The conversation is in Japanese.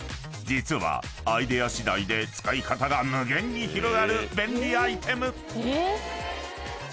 ［実はアイデアしだいで使い方が無限に広がる便利アイテム］